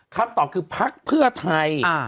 คำตอบคือพักเพื่อไทย